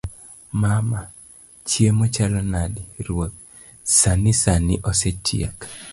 mama; chiemo chalo nade? ruoth; sani sani osechiek